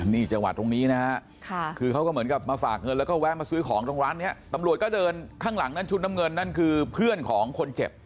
นี่จังหวัดตรงนี้นะฮะคือเขาก็เหมือนกับมาฝากเงินแล้วก็แวะมาซื้อของตรงร้านนี้ตำรวจก็เดินข้างหลังนั้นชุดน้ำเงินนั่นคือเพื่อนของคนเจ็บ